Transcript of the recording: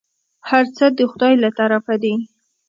هرڅه د خداى له طرفه دي.